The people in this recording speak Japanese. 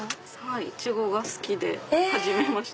イチゴが好きで始めました。